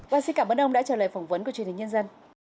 và xin cảm ơn ông đã trả lời phỏng vấn của truyền hình nhân dân